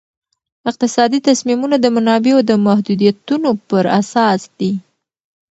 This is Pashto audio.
اقتصادي تصمیمونه د منابعو د محدودیتونو پر اساس دي.